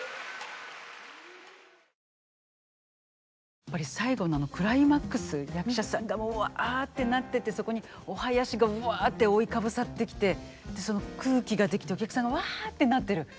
やっぱり最後のクライマックス役者さんがもううわってなっててそこにお囃子がうわって覆いかぶさってきてその空気が出来てお客さんがわってなってる。